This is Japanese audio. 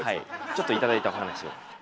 ちょっと頂いたお話を。